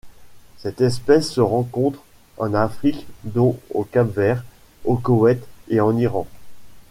Cette espèce se rencontre en Afrique dont au Cap-Vert, au Koweït et en Iran.